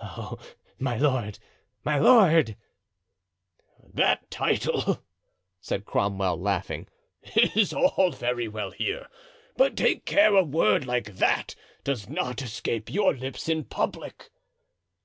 "Oh, my lord, my lord!" "That title," said Cromwell, laughing, "is all very well here, but take care a word like that does not escape your lips in public."